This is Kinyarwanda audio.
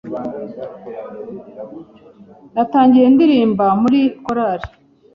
Natangiye ndirimba muri korari